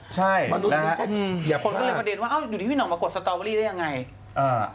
ใช่อย่าพลาดคนก็เลยประเด็นว่าอ้าวอยู่ที่พี่หนองมากดสตอว์เวอรี่ได้ยังไง